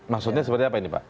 maksudnya seperti apa ini pak